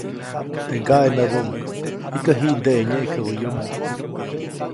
Teʼ ŋgaʼe näbuʼuŋ -jikä jiʼndeʼe nyeʼkäbä yomo-.